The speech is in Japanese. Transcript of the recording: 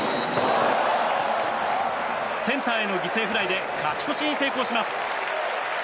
センターへの犠牲フライで勝ち越しに成功します。